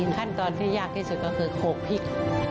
ขั้นตอนที่ยากที่สุดก็คือโขกพริก